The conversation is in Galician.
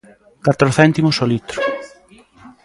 Catro céntimos o litro.